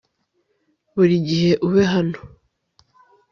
burigihe ube hano